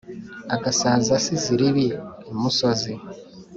agasaza asize iribi imusozi.